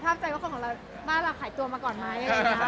แต่ภาพใจว่าของเราบ้านเราขายตัวมาก่อนมั้ย